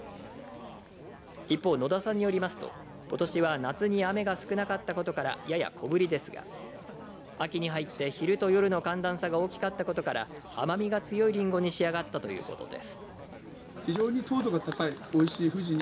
一方、野田さんによりますとことしは夏に雨が少なかったことからやや小ぶりですが秋に入って昼と夜の寒暖差が大きかったことから甘みが強いりんごに仕上がったということです。